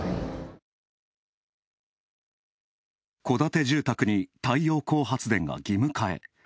戸建て住宅に太陽光発電が義務化へ。